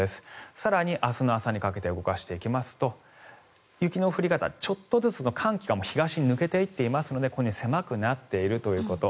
更に明日の朝にかけて動かしていきますと雪の降り方、ちょっとずつ寒気が東に抜けていっていますので狭くなっているということ。